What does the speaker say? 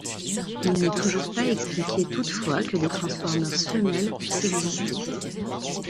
Il n'est toujours pas expliqué toutefois que des transformers femelles puissent exister.